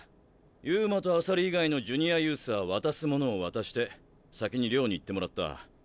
遊馬と朝利以外のジュニアユースは渡すものを渡して先に寮に行ってもらった。